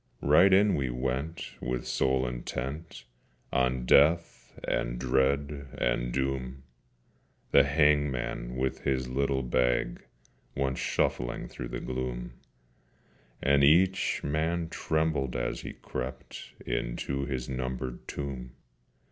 Right in we went, with soul intent On Death and Dread and Doom: The hangman, with his little bag, Went shuffling through the gloom: And each man trembled as he crept Into his numbered tomb.